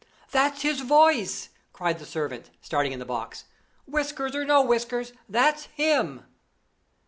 "That's his voice!" cried the servant, starting in the box. "Whiskers or no whiskers, that's him!"